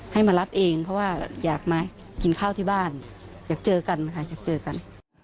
ให้มารับเองเพราะว่าอยากมากินข้าวที่บ้านอยากเจอกันค่ะอยากเจอกัน